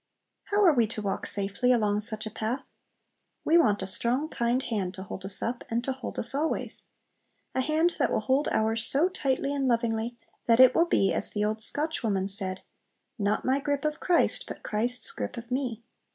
How are we to walk safely along such a path? We want a strong, kind hand to hold us up, and to hold us always; a hand that will hold ours so tightly and lovingly, that it will be as the old Scotchwoman said, "Not my grip of Christ, but Christ's grip of me!"